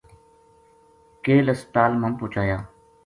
کیل ہسپتال ما پوہچایا